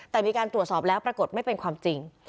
แต่มีการตรวจสอบแล้วปรากฏไม่เป็นความจริง